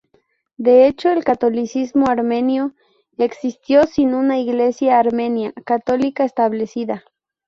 De hecho, el catolicismo armenio existió sin una Iglesia armenia católica establecida.